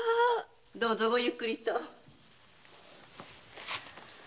どうぞごゆっくりと。